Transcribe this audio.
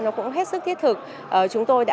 nó cũng hết sức thiết thực